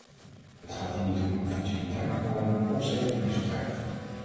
Het gaat hier niet om een futiliteit, maar om een opzettelijk misdrijf.